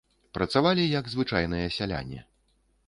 Працавалі як звычайныя сяляне.